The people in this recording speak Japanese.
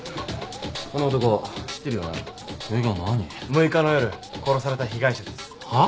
６日の夜殺された被害者です。はあ？